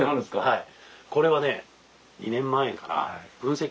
はい。